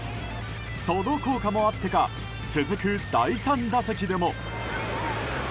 その効果もあってか続く第３打席でも。